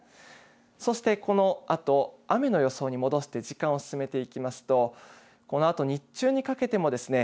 そして、このあと雨の予想に戻して時間を進めていきますとこのあと日中にかけてもですね